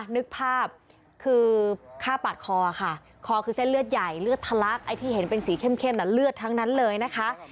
นึกภาพคือฆ่าปาดคอค่ะคอคือเส้นเลือดใหญ่เลือดทะลักไอ้ที่เห็นเป็นสีเข้มเลือดทั้งนั้นเลยนะคะ